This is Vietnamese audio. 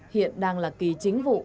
hiện đang là kỳ chính vụ